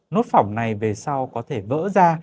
nốt phỏng này về sau có thể vỡ ra